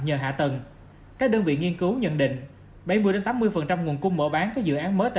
nhờ hạ tầng các đơn vị nghiên cứu nhận định bảy mươi tám mươi nguồn cung mở bán các dự án mới tại